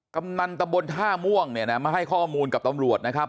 กำนันตะบนท่าม่วงเนี่ยนะมาให้ข้อมูลกับตำรวจนะครับ